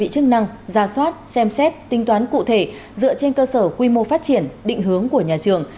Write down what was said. chức năng ra soát xem xét tính toán cụ thể dựa trên cơ sở quy mô phát triển định hướng của nhà trường